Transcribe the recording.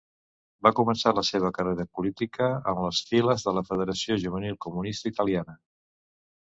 Va començar la seva carrera política en les Files de la Federació Juvenil Comunista Italiana.